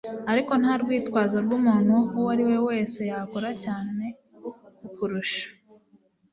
ariko nta rwitwazo rw'umuntu uwo ari we wese yakora cyane kukurusha.”